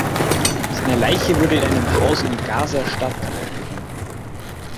Seine Leiche wurde in einem Haus in Gaza-Stadt aufgefunden.